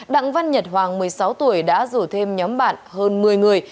đặng văn nhật hoàng một mươi sáu tuổi đã rủ thêm nhóm bạn hơn một mươi người